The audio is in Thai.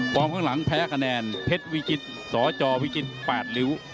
ข้างหลังแพ้คะแนนเพชรวิจิตสจวิจิต๘ริ้ว